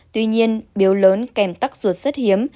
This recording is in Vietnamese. tuy nhiên biếu lớn kèm tắc ruột rất hiếm